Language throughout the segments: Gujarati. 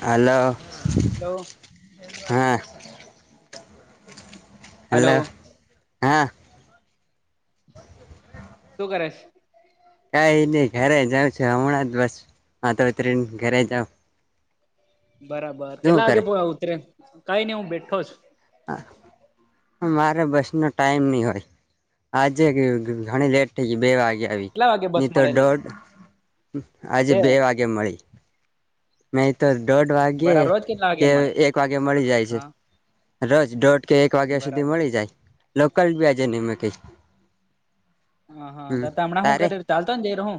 હાલો હાલો હા હલો હેલો હા શું કરશ? કઈ નહી ઘરે જાઉ છ હમણાં જ બસ હ તોત ઘરે જાવ બરાબર શું કેટલા કરે વાગે ઉતરે કઈ નઈ હું બેઠો છ. હા, મારે બસનો ટાઈમ નહીં હોય. આજે ઘણી લેટ થઈ ગઈ, બે વાગે આવી કેટલા વાગે બસ ની તો મળેલી દોઢ આજે બે વાગે મળી. નહી તો દોઢ વાગ્યે બરાબર રોજ કેટલા વાગે કે મળે એક વાગ્યે મળી જાય છે. હા રોજ દોઢ કે એક વાગ્યા સુધી બરાબર મળી જાય, લોકલ બી આજે ને [inaudible] હ હા ત હમણાં શું તારે કરે ચાલતો ને જઈ રહું.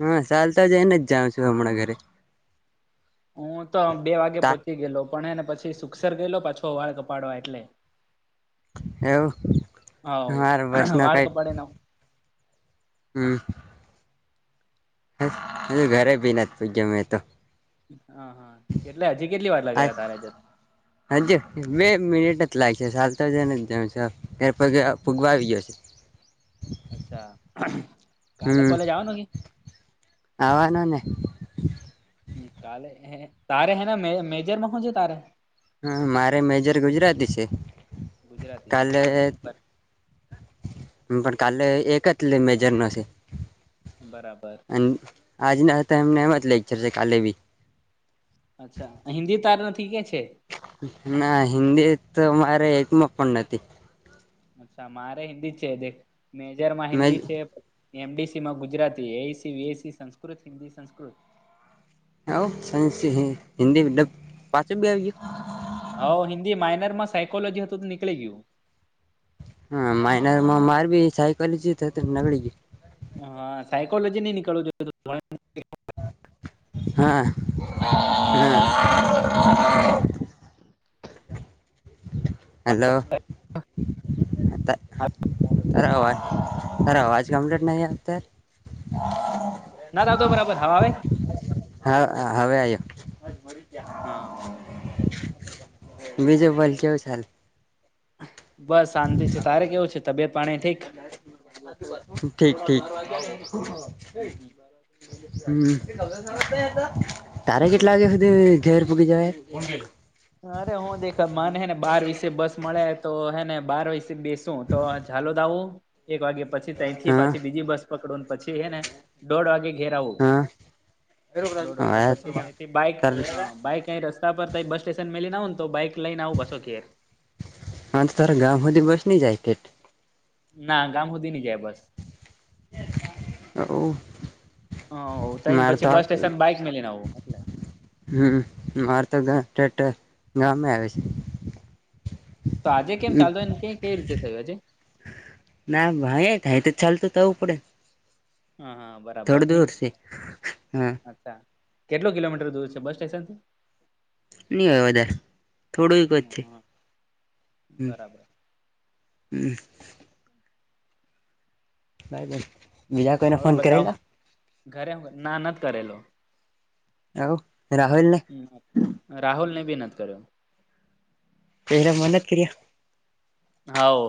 હા, સાલ તો જાયને જાઉં છું હમણા ઘરે, હું તો બે વાગે તા પહોંચી ગે પણ એને પછી સુસર ગયેલો પાછો વાળ કપાડવા એટલે. એવું હ હર વસ ન વાળ કઈ કપાડે ન હમ્મ હ ઘરે બી નથી પૂજ્યો મેં તો, હ હા, કેટલે હજી કેટલી વાર લગાવ્યા તારેાજત હજ બે મિનિટ જ લાગ છે, સાતા જ ત્યારે ફગવા આવી જયોશે. અચ્છા કાલે હમ્મ કોલેજ આવવાનું કે આવવાનુંને કાલે હે તારે હે મેજરમાં છેે, તારે હા મારે મેજર ગુજરાતી છે ગુજરાતી કાલે હા નહી હમ્મ પણ કાલે એક જ લે મેજર નશે. બરાબર. અને આજ નાતા એમને મત લે ચશે કાલે ભી. અચ્છા હિન્દી તાર નથી કે છે. ના હિન્દી તો મારે એકમાં પણ નથી. અચ્છા મારે હિન્દી જ છે દ મેજર માં મે હિન્દી છે. એમડીસી માં ગુજરાતી એસી વસી સંસ્કૃત હિન્દી સંસ્કૃત હ સા હિન્દીલબ પાચો બી આવી. હ હિન્દી માઇનર માં સાયકોલોજી હતું તો નીકળી ગયું. હમ મા મારબી સાઈકલ જત નગડી. હ હા સાયકોલોજી નહી નીકળવું જોઈએ પણ હા હા. હલો. હા. અ અવાજ અ અવાજ કમ્પ્લીટ નહીત.? ના રાતો બરાબર હા આવે.? હ હવે આયો. હા બીજય બલ કેવું ચાલ.? બસ શાંતિ છે તારે કેવું છે તબિયત પાણી ઠીક? ઠીક ઠીક. હમ. તારે કેટલા વાગ્યા સુધી ઘેર પૂગી જવાય.? અરે હું દેખ મને હે ને બાર વિષ બસ મળે તો હે ને બાર વિસે બેસુ. તો ાલો દ આવું એક વાગે પછી તથી હા પાછી બીજી બસ પકડુંને પછી હે ને. દોઢ વાગે ઘેર આવું હા હા દોઢ વાગે પછી તથી બાઈક તાર હ બાઈક. કઈ રસ્તા પર ત બસ સ્ટેશન મેલી નાવ ને તો બાઈક લઈને આવું પાસો ઘેર. આજ તારા ગામ સૂધી બસ ન જાયકે? ના ગામ સુદી ન જાય બસ. ઓહ હ ત મારે પછી તો બસ સ્ટેશન બાઈક મેલીઈને આવું. હમ મારે તો [unintelligible] ગામે આવે છે. તો આજે કેમ ચાલતો હોને કે કઈ રીતે થયું રે? ના ભાઈ થાય તો ચાલતું થવું પડે. હા હા બરાબર થોડું નની. દૂર છે હા કેટલો કિલોમીટર દૂર છે બસ સ્ટેશન થી.? નઈ હોય વધારે થોડું એક જ છે હમ. [unintelligible] બરાબર હમ. બાઈબન. હોર બતાવ ઘરે ના નત કરેલો. આવવ રાહુલ નાને. રાહુલ ને વિનત કર્યો. પરા મનત કર્યા.? હા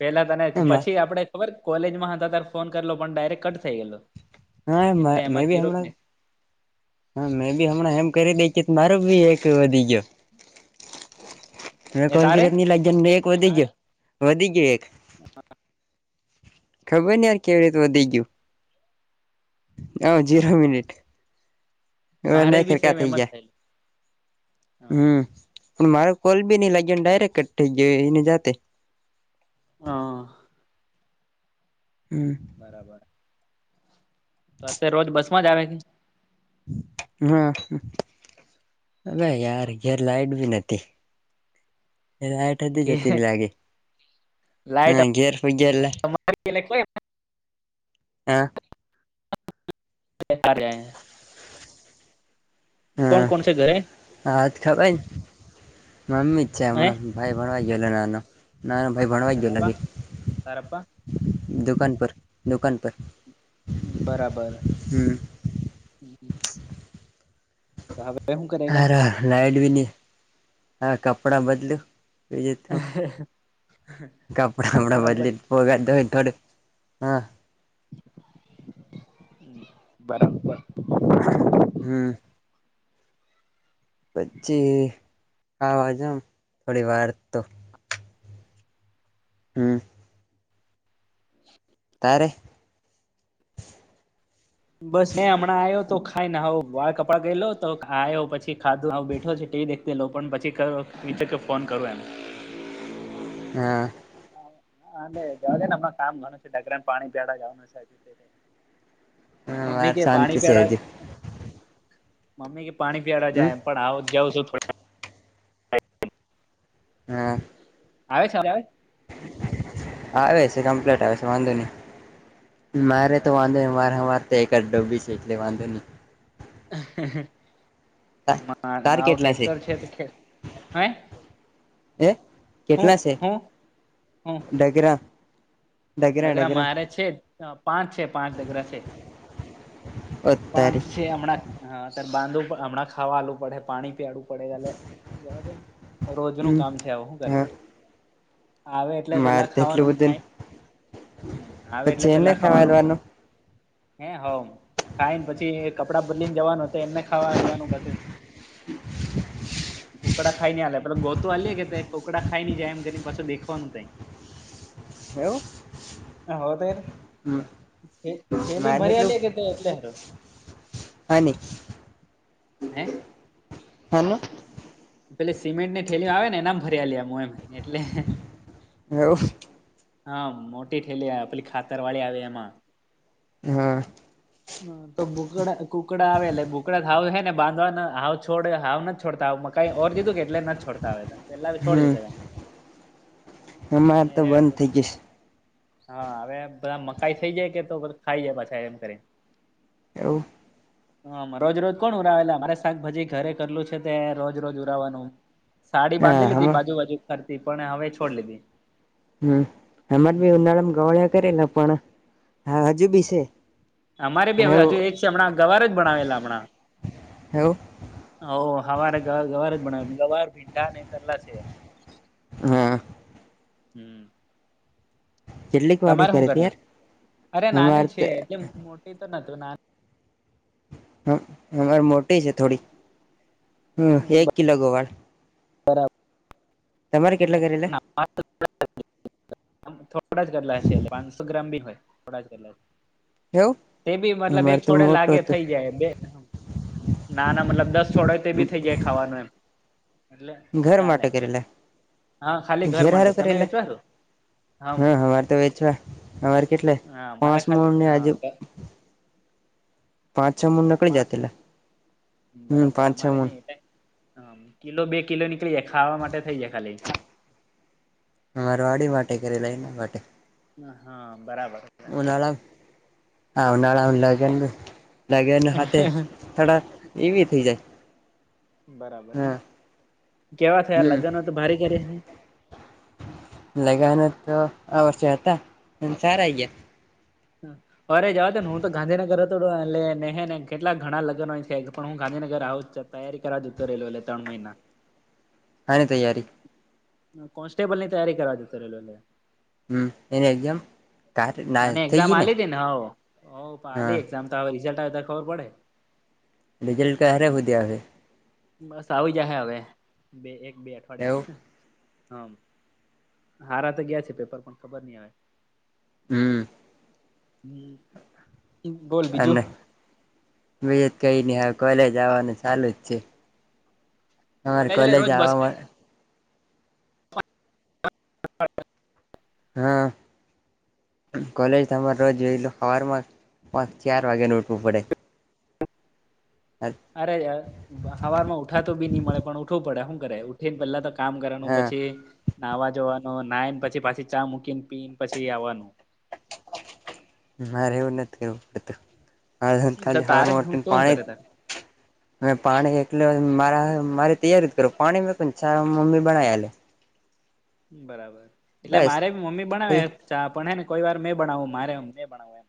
પેલા તને કર્યા પછી આપડે.? ખબર કોલેજમાં હતા તાર ફોન કરેલો પણ ડાયરેક્ટ કટ થઈ ગેલો. હા મે બી હમણા. હા મેં બી હમણાં એમ કરી દે મારો બી એક વધી ગયો. [unintelligible] હ એ કોલ કી તારે રત ન લાગી જ એક વધી ગયો વધી ગયો એક. હ. ખબર ન યાર કેવી રીતે વધી ગયું. હ જીરો મિનિટ હવે મારે ન બી સેમ ફેરકા થઇ એમ જ ગયા. થયેલું હમ પણ મારો કોલ બી નઈ લાગ્યો ડાયરેક્ટ થઈ ગયોને જાતે. હા હમ બરાબર તો રોજ બસ માં જ આવે છે, હમ્મ અને યાર ઘેર લાઈટ બી નથી. લાઈટ ઠધી કે જતીરી લાગે લાઈટ હ ઘેર [unintelligible] [unintelligible] [unintelligible] [unintelligible] કોણ હા કોણ છે ઘરે હાથ ખવાઈ મમ્મી છે, હે હમણાં ભાઈ ભણવા ગયો નાનો નાનો ભાઈ ભણવા અને ગયો તારા લાગે તારા પપ્પા દુકાન પર દુકાન પર હમ્મ બરાબર હમ [unintelligible] [unintelligible] હેમ કરેગા હાર લાઈટ બી નહ કપડાં બદલ્યું [unintelligible] કપડાપડા કપડા બદલી ભગાય થોડું હ બરાબર હમ્મ પછી આવાજોમ થોડી વાર તો, હમ્મ તારે બસ મે હમણાં આવ્યો તો ખાયને હ વાળ કપડા ગઈ લો તો આ પછી ખાધું બેઠો છે ટીવી દેખતી લો પણ પછી મિત તોકે ફોન કરું એમ હા હા જવા જે ને હમના કામ ગણું છે ડગરાને પાણી પડાવા જવાનું છે જ હા મમ્મી વાર કે શાંતિ પાણી છે હજી પ્યાડા મમ્મી કે પાણી પીળવા હમ જાય એમ પણ આવ જાઉં છું થોડ હા આવે છે આવે આવે છે કમ્પ્લીટ આવે છે, વાંધો નહી મારે તો બરાબર વાંધો ન મારે [unintelligible] વાર એક જ ડોબી છે એટલે વાંધો નહીં નહી માર તાર આવું કેટલા છે ટેક્ટર છે હે એ હું કેટલા છે હું હું ડગરા ડગરા મારે છે પાંચ છે, પાંચ ડગરા છે પાંચ અત્યારે છે હમણાં બાંધો હમણાં ખાવાલું પડે પાણી પીળું પડેડાલે જવા દેને રોજ નું હમ કામ છે, આવ શું કરે હા આવે એટલે મારે પેલા તો એટલું ખાવાનું બધું ખાય હ આવે એટલે પછી એને પેલા ખાવાનું ખાવાલવાનું પણ, હે હો ખાઈ ને પછી કપડાં બદલી ને જવાનું એમને ખાવા લવાનું પાછું, [inaudible] કુકડા ખાઈ ને આલેં પેલુ ગોતો આલીય કે કોકડા ખાઈ ઈ જાય એમ કરીને પાછો દેખવાનું તઈ [inaudible] એવું હ તો થેલીમા મારે ભરી એટલું આલી કે તો એટલે [unintelligible] હે હેલો. પેલી સિમેન્ટ ને થેભી આવે ને એનામ ફરિયાલુ એમ એટલે એવુ હા મોટી ઠેલી પેલી ખાતર વાડી આવે એમાં હા હમ્મ તો બૂકડા કૂકડા આવે એટલે ભૂકડાવ છે ને બાંધવાના હાવ છોડ હાવ નથી છોડતા. કઈ ઓર દીધું કે એટલે ન છોડતા હોય. હમ અમારે તો હતા બંધ એ થઇ ગઈશ. હા હવે બધા મકાઈ થઇ જાય કે તોધ ખાઈ જાય પાછા એમ કરી. એવું. [inaudible] હા રોજ રોજ કોણ ઉરાવેલા મારે શાકભાજી ઘરે કરેલું છે તે રોજ રોજ ઉરાવાનું. સાડી હા બાંધી લીધી હમા બાજુ બાજુ ખરતી પણ હવે છોડ લીધી. હમ એમાંરે બી હમ ઉનાળામાં ગવળિયા કરેલા પણ હા હજુ બી છે. અમારે બી પણ હવે એવું હજુ એ છે હમણાં ગવાર જ ભણવેલા હમણાં. એવું હ હવારે ગ ગવાર જ ભણ ગવાર ભીંડા ને કરલા છે. હા. હમ. કેટલીક વાઢી તમારે શું કરે તી કરી યાર લશ અરે અમારે નાની છે તો એટલે મોટી તો ન ના. હમ હર મોટી છે થોડી હમ એક કિલો ગવાર બરાબર. તમારે કેટલા કરેલા. હ [unintelligible] થોડા જ કરલા છે એટલે પાંચસો ગ્રામ બી હોય થોડા જ કરલા. એવું તે બી મતલબ એક અમારે તો છોડે મોટું લાગે હતું થઈ જાય બે. ના ના મતલબ દસ છોડય તે બી થઈ જાય ખાવાનું એમ. એટલે ઘર ચાલે માટે કરેલા. હા ખાલી ઘર ઘેર માં હારું તમે કરેલા વેચવા છો. હમ હા અમારે તો વેચવા અમારે કેટલે હા મારે પાંચ ખાલી મણની હા હજુ. [unintelligible] પાંચ છ મણના કઈ પાંચ ને જાતેલા હમ બરાબર પાંચ છ અમારે મણ. નહી એટલે હમ કિલો બે કિલો નીકળી જાય ખાવા માટે થઇ જાય ખાલી. અમાર વાડી માટે કરેલા એના માટે. હ હા બરાબર. ઉનાળામ આ ઉનાળા લગન હોત ય થડા એવી થઈ જાય. બરાબર ને હા કેવા થયા હમ લગ્નો તો ભારે કરી છે. લગના તો આ વર્ષે હતા સારા આયા. હમ. અરે જવા ત ને હું તો ગાંધીનગર હતો એલેને ને કેટલાક ઘણા લગ્ન છે પણ હું ગાંધીનગર આવું જ. તૈયારી કરવા જતો રયલો ત્રણ મહિના. હાની તૈયારી. કોન્સ્ટેબલની તૈયારી કરવા ગતો રહેલો એટલે. હમ એને એક્ઝામ કાર ના અને થઈ એક્ઝામ ગઈ આલી હતી ને હ પણ હા આ એક્ઝામ તો હવે રિઝલ્ટ આવે ત ખબર પડે. રિઝલ્ટ ક્યારે સુધી આવશે? બસ આવી જાયશે હવે બે એક બે એવું અઠવાડિયા. હમ હારા તો ગયા છે પેપર પણ ખબર નઈ આવે. હમ. હમ. અને બીજું કઈ ન હાલ કોલેજ આવવાનું ચાલુ જ છે. તમાર એટલે કોલેજ રોજ બસ આવવાવામાં [unintelligible] હા. કોલેજ તમારે રોજ જોઈ લો સવારમાં પાંચ ચાર વાગેનું ઉઊઠવું પડે. હ અરે હવામાં ઉઠા તો બી નહી મળે પણ ઉઠવું પડે શું કરે ઉઠી ને પેલા કામ કરવાનું હા પછી નાહવા જવાનું નાયને પછી પાછી ચા મૂકીને પી ને પછી આવવાનું. મારે એવું નથી કરવું પડતું. હ તો ખાલી હવાર તારે મોટ હું તો હું કરે તાર પાણી મે પાણી એકલ મારા મારી તૈયારી કરો પાણી મે પણ છ મમ્મી બનાયી આલે. બરાબર એટલે બસ મારે બી મમ્મી બનાવે ચા પણ હે ને કોઈ વાર મેં બનાવું મારે એમ મેને બનાવવું એમ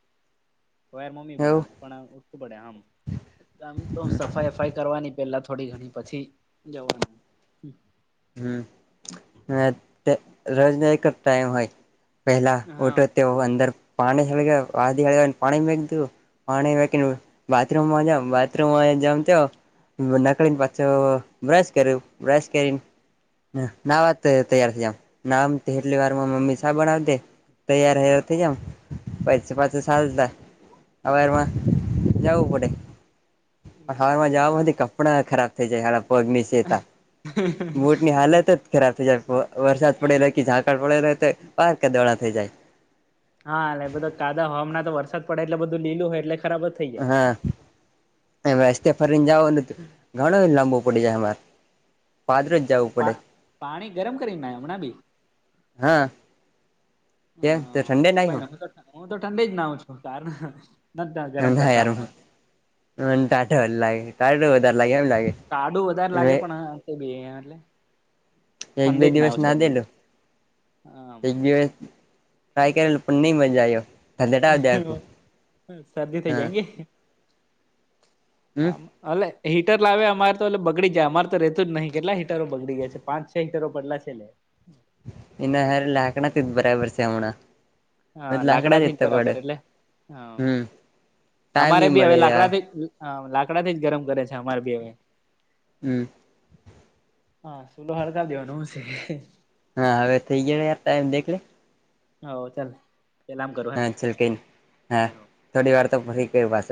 કોઈ વાર મમ્મી એવું બનાવે. પણ ઉઠું બડ્યા આમ-' આમ તો સફાઈ સફાઈ કરવાની પેલા થોડી ઘણી પછી જવાનું. હમ રજ ન કરતા એમ હોય. પહેલા હા ઉઠો તે અંદર પાણી હળ આ હળ પાણી મે દું પાણીકી હા બાથરૂમ બાથરૂમ જામ નકલીને પાછો બ્રશ કરી બ્રશ કરીને ના વાત તૈયાર થમ નામટલી વાર મમ્મી સાા બનાાવ દે તૈયાર હૈયા હા થઈ જાવ. પછ પાછ સાતા અવેમાં જવું પડે. હાલમાં જવા બરાબર કપડા ખરાબ થઈ જાય હ પગની સેતા. મોૂડ ની હાલત જ ખરાબ થઈ જાય વરસાદ પડેલો કે ઝાંળ પડેલો હો તો બહ કે દોડા થઈ જાય. હા એલે બધા કાદા હવાના તો વરસાદ પડે એટલે બધું લીલું હોય એટલે ખરાબ જ-' થઈ જાય. હા એ રસ્તે ફરીને જાવને ઘણો લાંબો પડી જાય અમારે પાદરો જ અચ્છા જવું તો પા પડે પાણી ગરમ કરી નામણા ભી-' હા કે હા હું ઠંડે તો નહી કઈ હો? હું તો હું તો ઠંડી જ નાઉ છું કારણ. નાર હ ટાઢ લાગે ટાઢ વધારે લાગે એમ લાગે તાડું વધારે લાગે પણી એટલે એક ફંડે બે જ ના આવ દિવસ છો હજી દેલું એક દિવસ ટ્રાય કરેલ પણ નહી મજા આવ્યો-' ધંધેટાવ દે આખું શરદી થઈ હા જાય ગ આ? હમ અ હીટર લાવે અમારે તો એલે બગડી જાય અમારે તો ર રહેતું જ નહીિ કેટલા હીટરો બગડી ગયા છે પાંચ છ હીટરો પડલા છે એટલે ના હાર લ હાકણા તી બરાબર સવણા. હા લાકડા થી જ બરાબર એટલે હા હમ ટાઈમ અમારે બી હવે મળી લાકડા રહ્યા થી જ હા લાકડા થી જ ગરમ કરે છે અમારે ભી હવે હમ હા સુલો હળતા દીવાનું સ હા હવે થઇ ગયા યાર ટાઈમ દેખ લે? હ ચાલ પેલામ હા કરવાનું છખ હ થોડી વાર તો ફરી કર બસ